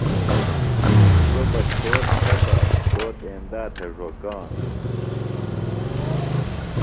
سوۡ بہ چھوت تھےۡ بہ چھوت اندا تھےۡ ڙوکانوۡ